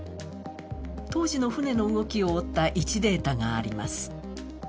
当時の船の動きを追った位置データがあります。